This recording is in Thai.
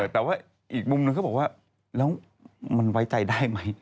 แต่ว่าอีกมุมหนึ่งเขาบอกว่าแล้วมันไว้ใจได้ไหม